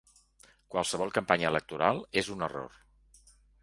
Qualsevol campanya electoral és un error.